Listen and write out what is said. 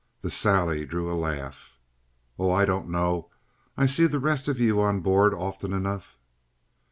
The sally drew a laugh. "Oh, I don't know. I see the rest of you on board often enough."